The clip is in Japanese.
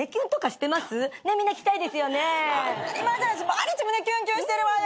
毎日胸キュンキュンしてるわよ。